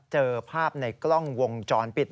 เจอภาพในกล้องวงจรปิด